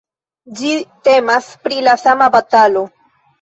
Ĝi temas pri la sama batalo.